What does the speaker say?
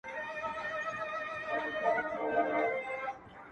نامردان دمیړو لار وهي